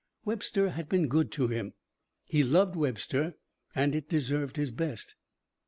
Webster had been good to him. He loved Webster and it deserved his best.